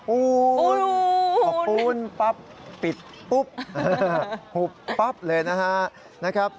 โอ้โหพอปูนปั๊บปิดปุ๊บหุบปั๊บเลยนะครับ